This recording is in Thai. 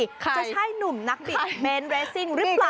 จะใช่หนุ่มนักบิดเบนเรสซิ่งหรือเปล่า